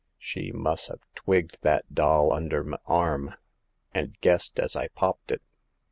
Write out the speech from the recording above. She' mus' ha* twigged that doll under m' arm, and guessed as I popped it.